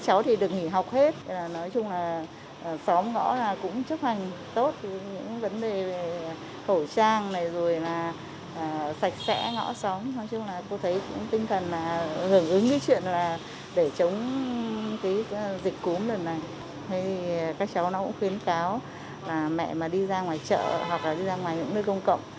các cháu nó cũng khuyến cáo là mẹ mà đi ra ngoài chợ hoặc là đi ra ngoài những nơi công cộng